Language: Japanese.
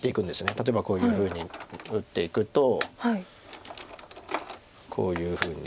例えばこういうふうに打っていくとこういうふうに。